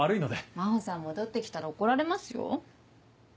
真帆さん戻って来たら怒られますよ。